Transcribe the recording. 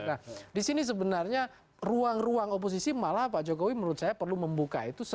nah disini sebenarnya ruang ruang oposisi malah pak jokowi menurut saya perlu membuka